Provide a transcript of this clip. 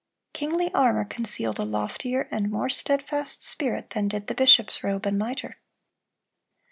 Kingly armor concealed a loftier and more steadfast spirit than did the bishop's robe and mitre.